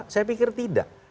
saya pikir tidak